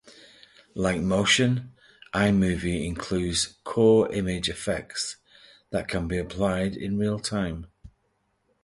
Like Motion, iMovie includes Core Image effects that can be applied in real time.